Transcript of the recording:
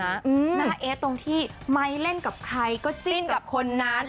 หน้าเอสตรงที่ไม้เล่นกับใครก็จิ้นกับคนนั้น